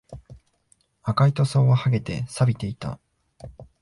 赤い塗装は剥げて、錆びていた